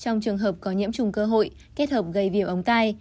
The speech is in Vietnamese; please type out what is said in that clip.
trong trường hợp có nhiễm trùng cơ hội kết hợp gây viêm ống tay